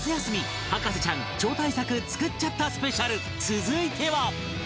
続いては